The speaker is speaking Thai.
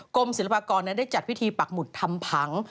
กรมศิลปากรนั้นได้จัดพิธีปักหมุดทำผัง